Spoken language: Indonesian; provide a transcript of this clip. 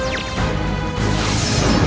aku akan menang